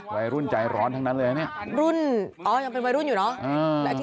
วัยรุ่นใจร้อนทั้งนั้นเลยนะเนี่ยรุ่นอ๋อยังเป็นวัยรุ่นอยู่เนอะ